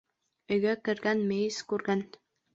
Өйгә кергән мейес күргән.